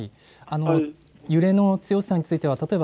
揺れの強さについては例えば